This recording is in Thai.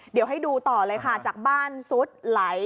เดี๋ยวให้ดูต่อเลยค่ะจากบ้านซุดไหล